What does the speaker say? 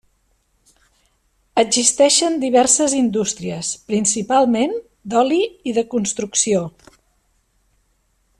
Existeixen diverses indústries, principalment d'oli i de construcció.